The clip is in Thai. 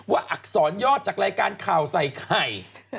อักษรยอดจากรายการข่าวใส่ไข่